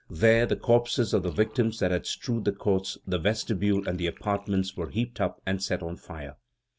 There the corpses of the victims that had strewed the courts, the vestibule, and the apartments were heaped up, and set on fire.